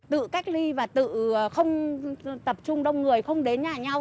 tự cách ly và tự không tập trung đông người không đến nhà nhau